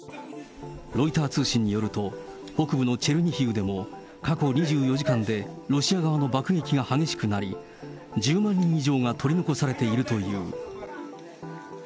ロイター通信によると、北部のチェルニヒウでも過去２４時間でロシア側の爆撃が激しくなり、１０万人以上が取り残されているという。